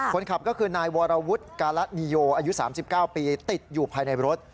คนขับก็คือนายวรวุฒิการะนีโยอายุ๓๙ปีติดอยู่ภายในรถ